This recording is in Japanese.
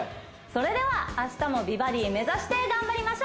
それでは明日も美バディ目指して頑張りましょう！